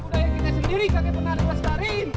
budaya kita sendiri kakek penari berastarin